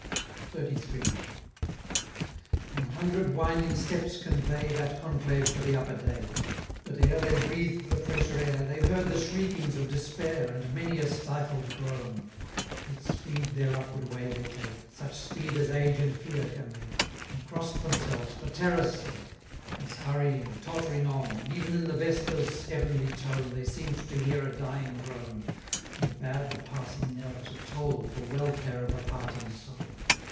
XXXIII. An hundred winding steps convey That conclave to the upper day; 610 But, ere they breathed the fresher air, They heard the shriekings of despair, And many a stifled groan: With speed their upward way they take, (Such speed as age and fear can make,) 615 And cross'd themselves for terror's sake, As hurrying, tottering on, Even in the vesper's heavenly tone, They seem'd to hear a dying groan, And bade the passing knell to toll 620 For welfare of a parting soul.